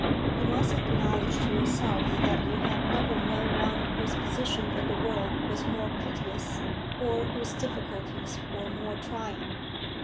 You must acknowledge to yourself that you have never known one whose position in the world was more piteous, or whose difficulties were more trying."